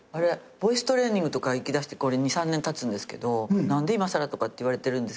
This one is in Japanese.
ボイストレーニングとか行きだして２３年たつんですけど何でいまさらとかって言われてるんですけど。